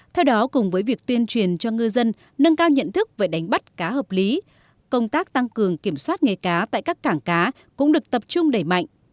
theo đó cùng với việc tuyên truyền cho ngư dân nâng cao nhận thức về đánh bắt cá hợp lý công tác tăng cường kiểm soát nghề cá tại các cảng cá cũng được tập trung đẩy mạnh